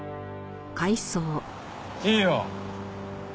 いいよ。